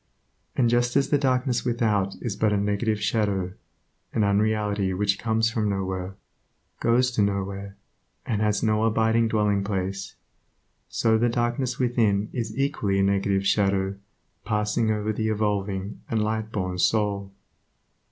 And just as the darkness without is but a negative shadow, an unreality which comes from nowhere, goes to nowhere, and has no abiding dwelling place, so the darkness within is equally a negative shadow passing over the evolving and Lightborn soul.